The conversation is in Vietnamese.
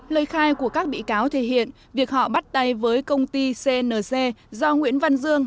lời khai của các bị cáo thể hiện việc họ bắt tay với công ty cnc do nguyễn văn dương